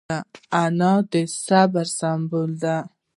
انا د صبر سمبول ده